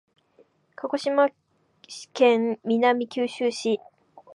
鹿児島県南九州市